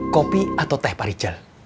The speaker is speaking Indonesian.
kopi atau teh pak rijal